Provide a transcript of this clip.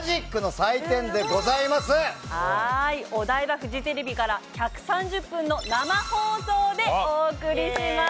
フジテレビから１３０分の生放送でお送りします。